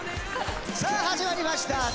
さあ始まりました